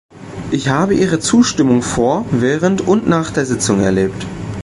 Ich habe ihre Zustimmung vor, während und nach der Sitzung erlebt.